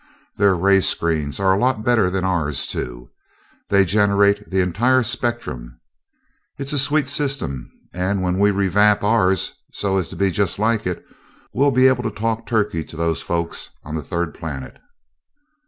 Their ray screens are a lot better than ours, too they generate the entire spectrum. It's a sweet system and when we revamp ours so as to be just like it, we'll be able to talk turkey to those folks on the third planet."